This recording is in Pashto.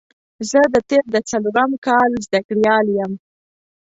زه د طب د څلورم کال زده کړيال يم